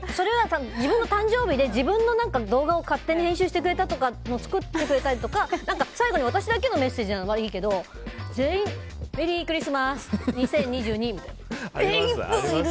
自分が誕生日で自分の動画を勝手に編集してくれたとか作ってくれたりとか最後に私だけのメッセージならいいけど全員に、メリークリスマス２０２２みたいな。え、１分いる！